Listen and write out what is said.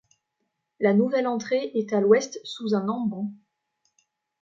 La nouvelle entrée est à l’ouest sous un emban.